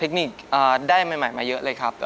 คนิคได้ใหม่มาเยอะเลยครับ